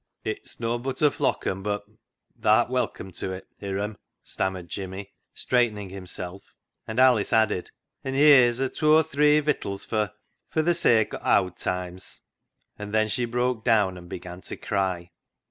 *' It's nobbut a flock un, but tha'rt welcome to it, Hiram," stammered Jimmy, straightening himself, and Alice added, " An' heer's a tooathre vittles fer — fer th' sake o' owd toimes !" And then she broke down and began to cry.